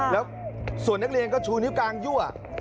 แล้วส่วนนักเรียนก็ชูนิ้วกลางยั่ว